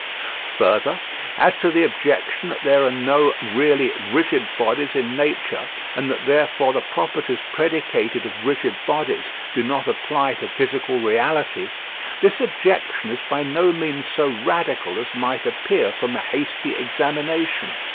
Further, as to the objection that there are no really rigid bodies in nature, and that therefore the properties predicated of rigid bodies do not apply to physical reality, this objection is by no means so radical as might appear from a hasty examination.